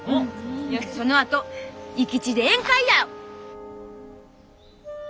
そのあと生き血で宴会や！